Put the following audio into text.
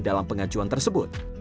dalam pengajuan tersebut